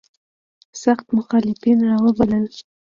سخت مخالفین را وبلل.